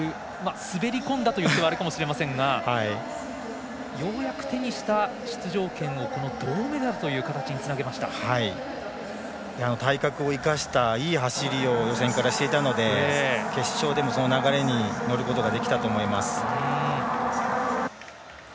滑り込んだというとあれかもしれませんがようやく手にした出場権を銅メダルという形に体格を生かしたいい走りを予選からしていたので決勝でも、その流れに乗ることができたと思います。